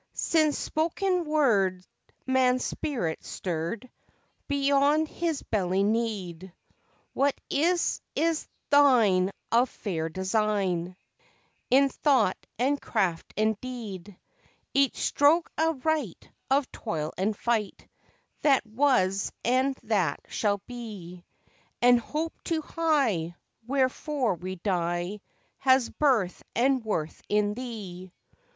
Since spoken word Man's Spirit stirred Beyond his belly need, What is is Thine of fair design In thought and craft and deed; Each stroke aright of toil and fight, That was and that shall be, And hope too high, wherefore we die, Has birth and worth in Thee.